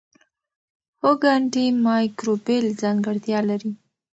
هوږه انټي مایکروبیل ځانګړتیا لري.